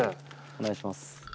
お願いします。